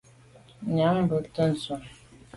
Nya bùnte ndù.